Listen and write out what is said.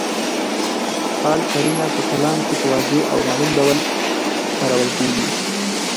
قال قرینه په کلام کي په واضح او معلوم ډول کارول کیږي.